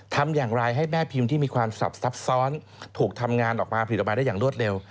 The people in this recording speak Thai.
ทำอย่างไรให้แม่พิมพ์ที่มีความสับซับซ้อนถูกทำงานออกมาผลิตออกมาได้อย่างรวดเร็ว